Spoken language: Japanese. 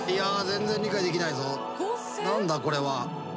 何だこれは。